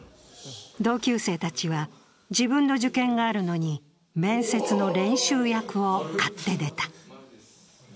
同級生たちは自分の受験があるのに、面接の練習役を買って出た。